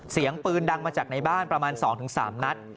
เสียงปืนดังมาจากในบ้านประมาณ๒๓นัด